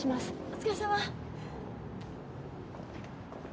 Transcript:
お疲れさま。